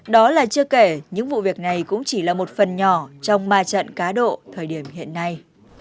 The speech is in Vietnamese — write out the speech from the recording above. đó là chưa kể những vụ việc này cũng chỉ là một phần nhỏ trong ma trận cá độ thời điểm hiện nay